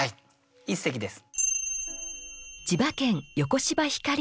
一席です。